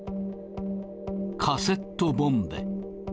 カセットボンベ。